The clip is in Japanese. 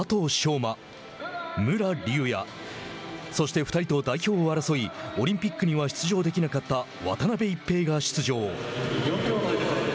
馬、武良竜也、そして２人と代表を争いオリンピックには出場できなかった渡辺一平が出場。